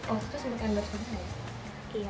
oh itu sebelum endorse kamu ya